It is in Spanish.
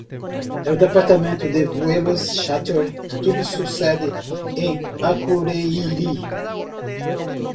El departamento de vuelos chárter tuvo su sede en Akureyri.